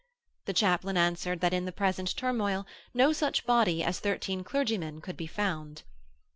The chaplain answered that in the present turmoil no such body as thirteen clergymen could be found.